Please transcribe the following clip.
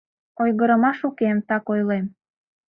Ойгырымаш уке, так ойлем.